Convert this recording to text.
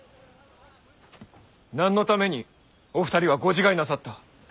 何のためにお二人はご自害なさった？